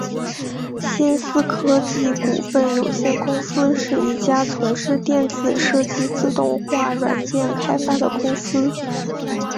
新思科技股份有限公司是一家从事电子设计自动化软件开发的公司。